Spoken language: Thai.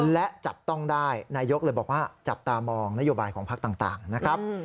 และจับต้องได้นายกเลยบอกว่าจับตามองนโยบายของพักต่างนะครับ